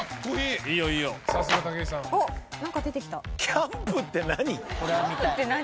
「キャンプ」って何？